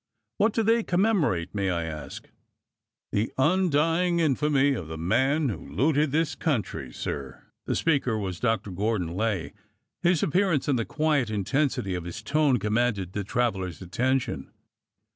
What do they commemorate, may I ask ?" The undying infamy of the man who looted this country, sir." The speaker was Dr. Gordon Lay. His appearance and the quiet intensity of his tone commanded the traveler's attention.